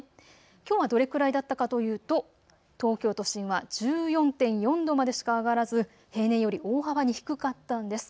きょうはどれくらいだったかというと、東京都心は１４．４度までしか上がらず平年より大幅に低かったんです。